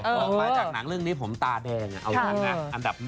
ออกมาจากนักเรื่องนี้ผมตายแดงเอาอันอันดับ๑